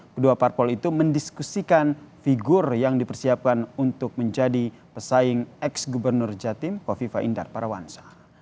kedua parpol itu mendiskusikan figur yang dipersiapkan untuk menjadi pesaing ex gubernur jatim kofifa indar parawansa